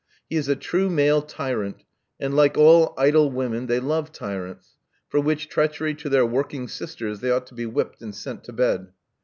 He is a true male tyrant, and, like all idle women, they love tyrants — for which treachery to their working sisters they ought to be whipped and sent to bed.